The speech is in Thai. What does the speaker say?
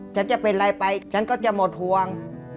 ฉันจะเป็นอะไรไปฉันก็จะหมดห่วง